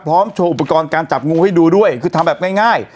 พร้อมโชว์อุปกรณ์จับงก์ให้ดูด้วยคือทำแบบง่ายง่าย